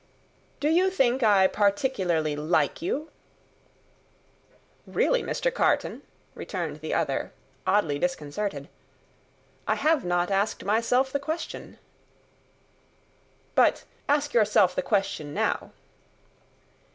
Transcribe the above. "Do you think I particularly like you?" "Really, Mr. Carton," returned the other, oddly disconcerted, "I have not asked myself the question." "But ask yourself the question now."